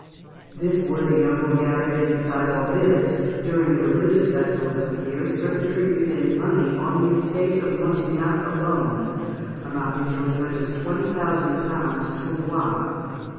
] This worthy noble gathered in besides all this, during the religious festivals of the year, certain tributes in money on the estate of Montignac alone, amounting to as much as 20,000 pounds tournois.